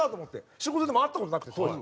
仕事でも会った事なくて当時。